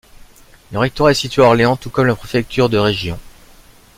Le rectorat est situé à Orléans tout comme la préfecture de région.